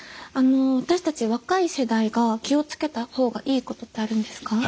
私たち若い世代が気をつけた方がいいことってあるんですか？